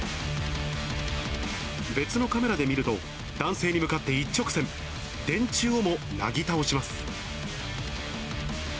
別のカメラで見ると、男性に向かって一直線、電柱をもなぎ倒します。